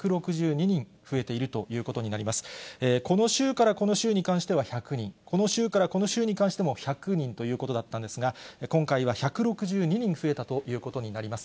この週からこの週に関しては１００人、この週からこの週に関しても１００人ということだったんですが、今回は１６２人増えたということになります。